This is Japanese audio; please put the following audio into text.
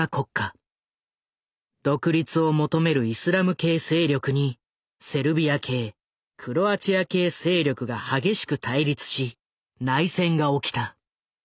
独立を求めるイスラム系勢力にセルビア系クロアチア系勢力が激しく対立し内戦が起きた。